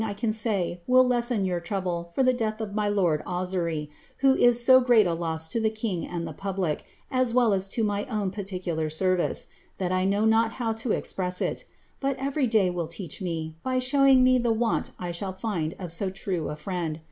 I mn uty will lessen your trouble for the death of my lord (Vi^iry, who is so ^roat n loss to the king and ilio public, m well u B my fwn iiariioiilur fiorvit:i', that I kni<w not huw to exprerts it; but ereiy dl^ will tcarli mi', by ehuwin^ nic the want I bhall tind of ro true a friend.